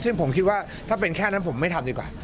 ซึ่งผมคิดว่าถ้าเป็นแค่นั้นผมไม่ทำดีกว่า